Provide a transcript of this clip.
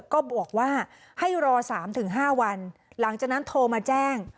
ก็บอกว่าให้รอ๓๕วันหลังจากนั้นโทรมาแจ้ง